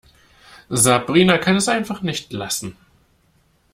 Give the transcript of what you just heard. Sabrina kann es einfach nicht lassen.